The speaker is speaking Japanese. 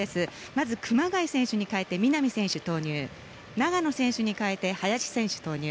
まず熊谷選手に代えて南選手、投入長野選手に代えて林選手投入